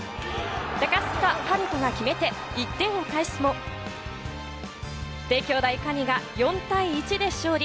高須賀陽斗が決めて１点を返すも、帝京大可児が４対１で勝利。